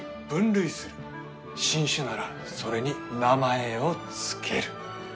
新種ならそれに名前を付ける。